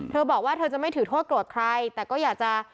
เธอบอกว่าเธอจะไม่ถือโทษโกรธใครแต่ก็อยากจะ